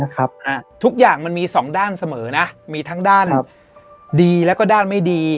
ทุกอย่างมันมีสองด้านเสมอนะมีทั้งด้านดีแล้วก็ด้านไม่ดี